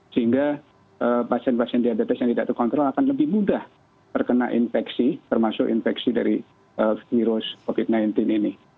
sehingga pasien pasien diabetes yang tidak terkontrol akan lebih mudah terkena infeksi termasuk infeksi dari virus covid sembilan belas ini